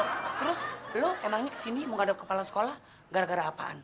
terus lo emangnya kesini mau ngaduk kepala sekolah gara gara apaan